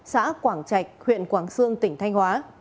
xã quảng trạch huyện quảng xương tỉnh thanh hóa